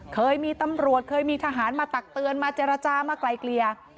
เคยมีตำรวจเคยมีทหารมาตักเตือนมาเจรจามาไกลเกลี่ย